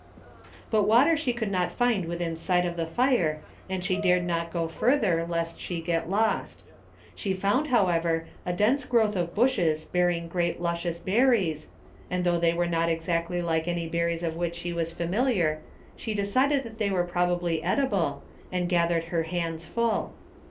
But water she could not find within sight of the fire and she dared not go f lulher lest she get lost. She found, however, a dense growth of bushes bearing great luscious berries, and though they were not exactly like any berries with which she was familiar she de cided that they were probably edible, and gathered her hands full.